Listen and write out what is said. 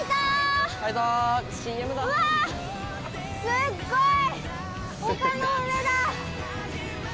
すっごい！